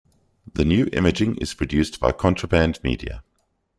The new imaging is produced by Contraband Media.